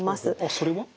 それは？